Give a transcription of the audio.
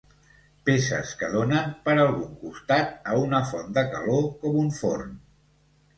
Peces que donen, per algun costat, a una font de calor com un forn.